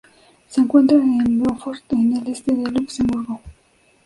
Se encuentra en Beaufort, en el este de Luxemburgo.